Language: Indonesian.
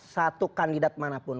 satu kandidat manapun